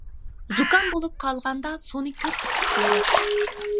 زۇكام بولۇپ قالغاندا سۇنى كۆپ ئىچىش كېرەك.